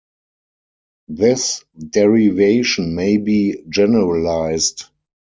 This derivation may be generalized.